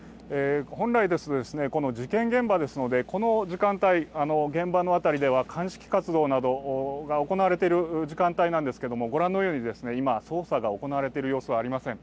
本来ですと、事件現場ですので、この時間帯、現場の辺りでは鑑識活動などが行われている時間帯なんですけれどもご覧のように今、捜査が行われている様子はありません。